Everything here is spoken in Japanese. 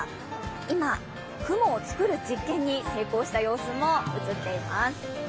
今、雲を作る実験に成功した様子も映っています。